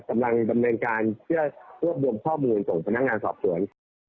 กำลังดำเนินการเพื่อรวบรวมข้อมูลส่งพนักงานสอบสวน